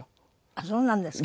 あっそうなんですか。